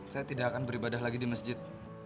saya tidak akan beribadah lagi di masjid